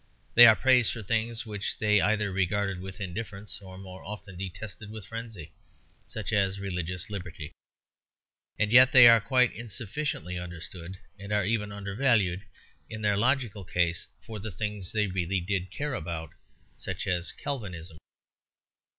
They are praised for things which they either regarded with indifference or more often detested with frenzy such as religious liberty. And yet they are quite insufficiently understood, and are even undervalued, in their logical case for the things they really did care about such as Calvinism.